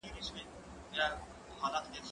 زه مخکي مڼې خوړلي وو!؟